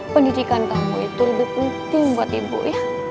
pendidikan tamu itu lebih penting buat ibu ya